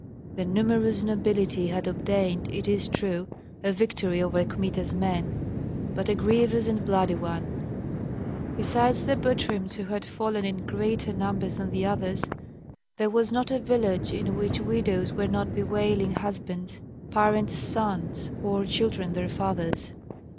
The numerous nobility had obtained, it is true, a victory over Kmita's men, but a grievous and bloody one. Besides the Butryms, who had fallen in greater numbers than the others, there was not a village in which widows were not bewailing husbands, parents sons, or children their fathers.